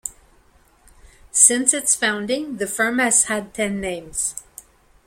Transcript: Since its founding, the firm has had ten names.